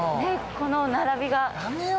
この並びが。